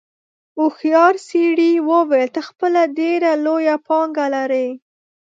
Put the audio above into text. هوښیار سړي وویل ته خپله ډېره لویه پانګه لرې.